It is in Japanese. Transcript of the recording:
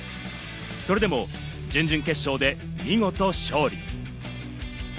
それでも準々決勝で見事、勝利。